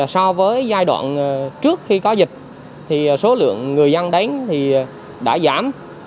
so với giai đoạn trước khi có dịch số lượng người dân đến đã giảm